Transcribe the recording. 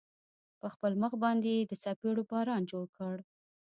په خپل مخ باندې يې د څپېړو باران جوړ کړ.